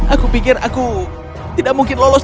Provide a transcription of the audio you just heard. aku pikir aku tidak mungkin lolos